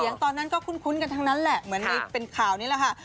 ตอนนั้นก็คุ้นกันทั้งนั้นแหละเหมือนในเป็นข่าวนี้แหละค่ะ